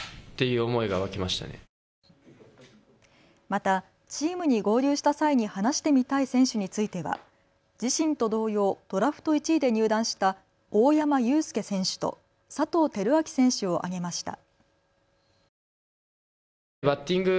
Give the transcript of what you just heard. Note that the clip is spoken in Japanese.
またチームに合流した際に話してみたい選手については自身と同様、ドラフト１位で入団した大山悠輔選手と佐藤輝明選手を挙げました。